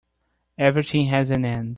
Everything has an end.